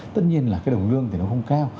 tất nhiên là cái đồng lương thì nó không cao